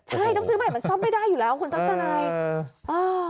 ใช่ต้องซื้อใหม่มันซ่อมไม่ได้อยู่แล้วคุณทัศนัย